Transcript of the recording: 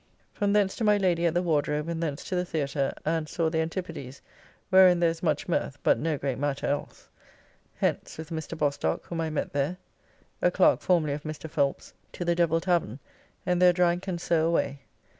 From thence to my Lady at the Wardrobe and thence to the Theatre, and saw the "Antipodes," wherein there is much mirth, but no great matter else. Hence with Mr. Bostock whom I met there (a clerk formerly of Mr. Phelps) to the Devil tavern, and there drank and so away.